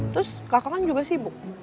terus kakak kan juga sibuk